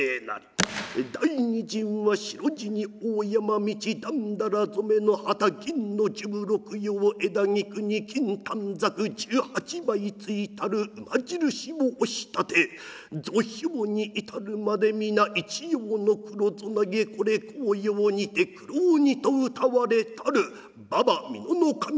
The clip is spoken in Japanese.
第二陣は白地に大山道だんだら染めの旗銀の十六葉枝菊に金短冊十八枚ついたる馬印を押したて雑兵に至るまで皆一様の黒備えこれ甲陽にて黒鬼とうたわれたる馬場美濃守信房が軍勢なり。